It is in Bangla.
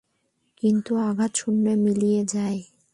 কিন্তু আঘাত শূন্যে মিলিয়ে যায়।